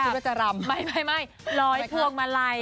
คุณผู้ชมค่ะช่วงนี้อยากจะนั่งพับเพียบ